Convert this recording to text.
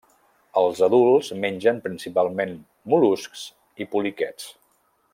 Els adults mengen principalment mol·luscs i poliquets.